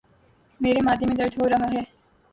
مجھے معدے میں درد ہو رہا ہے۔